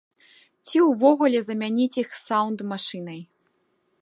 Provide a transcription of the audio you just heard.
Ці ўвогуле замяніць іх саўнд-машынай.